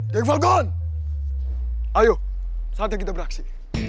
geng falcon ayo saatnya kita beraksi